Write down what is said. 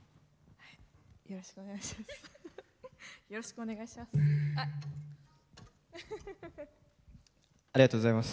よろしくお願いします。